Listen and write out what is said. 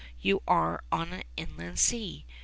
You are on an inland sea.